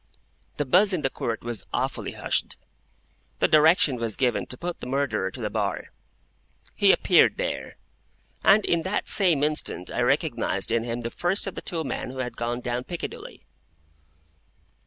The buzz in the Court was awfully hushed. The direction was given to put the Murderer to the bar. He appeared there. And in that same instant I recognised in him the first of the two men who had gone down Piccadilly.